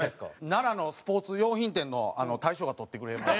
奈良のスポーツ用品店の大将が取ってくれました。